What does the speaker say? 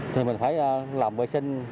thì mình phải làm vệ sinh